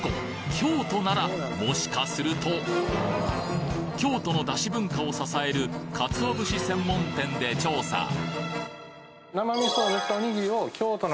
京都ならもしかすると京都のダシ文化を支える鰹節専門店で調査あ。